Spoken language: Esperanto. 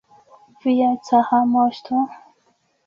Via cara moŝto!